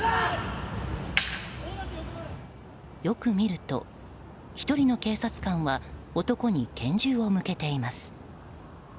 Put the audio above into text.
よく見ると、１人の警察官は男に拳銃を向けています。